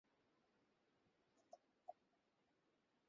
অমনি দুর্গার সমস্ত গা দিয়া একটা কিসের স্রোত বহিয়া যায়।